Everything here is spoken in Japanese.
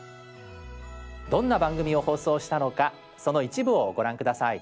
どんな番組を放送したのかその一部をご覧下さい。